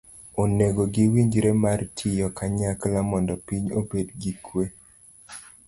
onego giwinjre mar tiyo kanyakla mondo piny obed gi kwe.